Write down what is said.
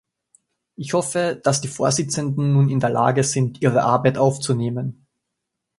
Ich hoffe, dass die Vorsitzenden nun in der Lage sind, ihre Arbeit aufzunehmen.